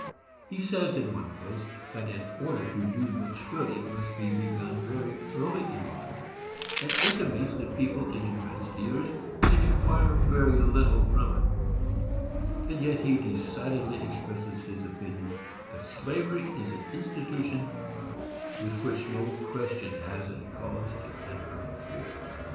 He says, in one place, that in order to do much good it must be begun very early in life, and intimates that people in advanced years can acquire very little from it; and yet he decidedly expresses his opinion that slavery is an institution with which no Christian has cause to interfere.